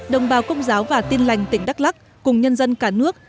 đồng bào công giáo và tin lành tỉnh đắk lắc cùng nhân dân cả nước